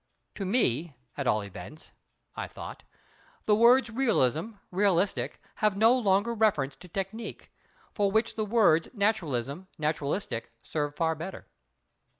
To me, at all events—I thought—the words realism, realistic, have no longer reference to technique, for which the words naturalism, naturalistic, serve far better.